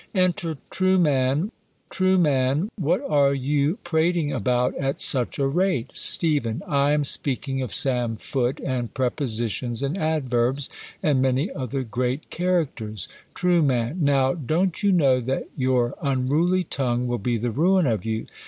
Enter Trueman. Trueman, What are you prating about at such a rate ? Steph* I am speaking of Sam Foote, and prepositions, and adverbs, and many other great characters. Tru, Now, don't you know, that your unruly tongue will be the ruin of you